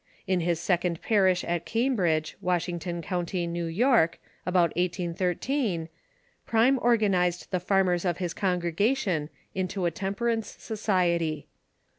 In his second parish at Cambridge, Washington County, New York, about 1813, Prime organized the farmers of his congregation into a tem perance society.